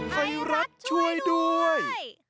ไทยรัฐช่วยด้วย